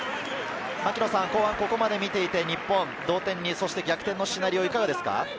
後半をここまで見ていて日本、同点に逆転のシナリオ、いかがですか？